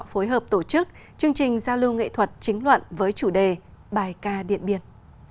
phối hợp tổ chức chương trình giao lưu nghệ thuật chính luận với chủ đề bài ca điện biên